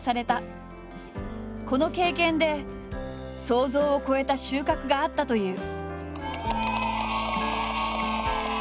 この経験で想像を超えた収穫があったという。